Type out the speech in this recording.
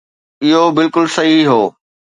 اهو بلڪل صحيح هو